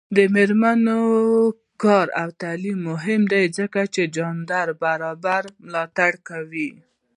د میرمنو کار او تعلیم مهم دی ځکه چې جنډر برابرۍ ملاتړ کوي.